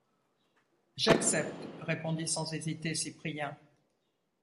J’accepte, répondit sans hésiter Cyprien.